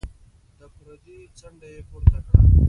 د پردې څنډه يې پورته کړه.